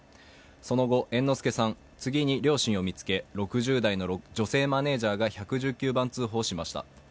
その後、猿之助さん、次に両親を見つけ、６０代の女性マネージャーが１１９番通報しました。